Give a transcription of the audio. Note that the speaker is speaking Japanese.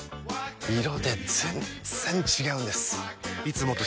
色で全然違うんです！